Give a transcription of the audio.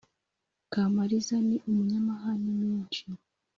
kamaliza ni umunyamahane menshi